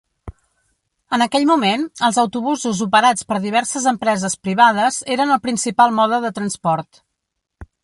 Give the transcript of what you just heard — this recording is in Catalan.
En aquell moment, els autobusos operats per diverses empreses privades eren el principal mode de transport.